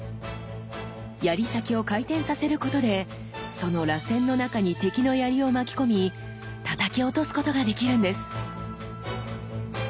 槍先を回転させることでそのらせんの中に敵の槍を巻き込みたたき落とすことができるんです！